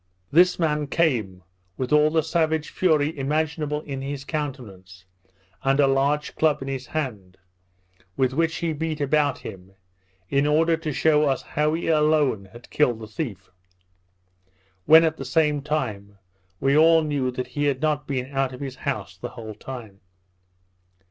This man came, with all the savage fury imaginable in his countenance, and a large club in his hand, with which he beat about him, in order to shew us how he alone had killed the thief; when, at the same time, we all knew that he had not been out of his house the whole time.